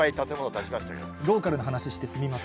ローカルな話してすみません。